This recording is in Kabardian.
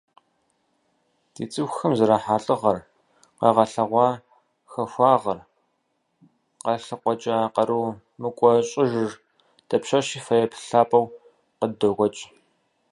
Ди цӀыхухэм зэрахьа лӀыгъэр, къагъэлъэгъуа хахуагъэр, къалъыкъуэкӀа къару мыкӀуэщӀыжыр дапщэщи фэеплъ лъапӀэу къыддокӀуэкӀ.